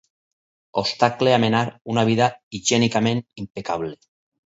Obstacle a menar una vida higiènicament impecable.